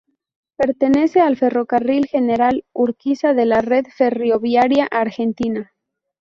Pertenece al Ferrocarril General Urquiza de la red ferroviaria argentina.